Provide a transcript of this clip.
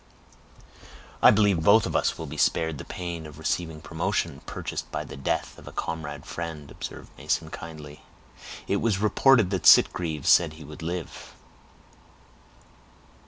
"I believe both of us will be spared the pain of receiving promotion purchased by the death of a comrade and friend," observed Mason kindly. "It was reported that Sitgreaves said he would live."